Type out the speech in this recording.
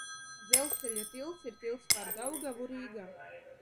Dzelzceļa tilts ir tilts pār Daugavu Rīgā.